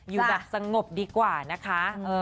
อยู่แบบสงบดีกว่านะคะ